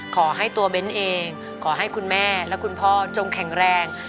ขอให้ตัวเบ้นเองขอให้คุณแม่และคุณพ่อจงแข็งแรง